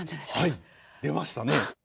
はい出ましたね。